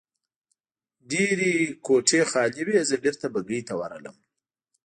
ډېرې کوټې خالي وې، زه بېرته بګۍ ته ورغلم.